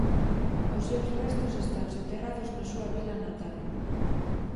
Os seus restos están soterrados na súa vila natal.